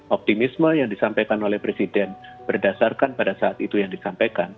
optimisme yang disampaikan oleh presiden berdasarkan pada saat itu yang disampaikan